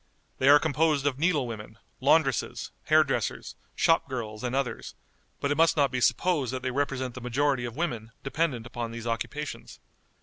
They are composed of needle women, laundresses, hair dressers, shop girls, and others, but it must not be supposed that they represent the majority of women dependent upon those occupations.